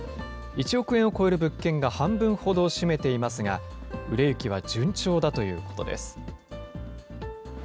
１億円を超える物件が半分ほどを占めていますが、売れ行きは順調だということです。